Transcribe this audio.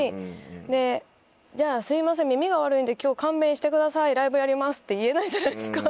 でじゃあ「すいません耳が悪いんで今日勘弁してくださいライブやります」って言えないじゃないですか。